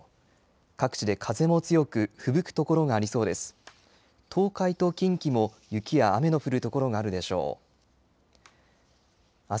各地で風も強くふぶく所がありそうです。